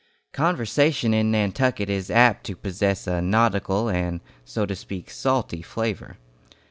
Conversation in Nantucket is apt to possess a nautical and, so to speak, salty flavor.